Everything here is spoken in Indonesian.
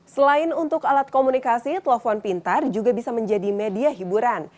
selain untuk alat komunikasi telepon pintar juga bisa menjadi media hiburan